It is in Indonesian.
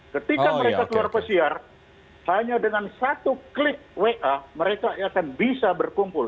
ketika mereka keluar pesiar hanya dengan satu klik wa mereka akan bisa berkumpul